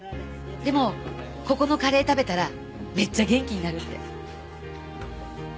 でもここのカレー食べたらめっちゃ元気になるって。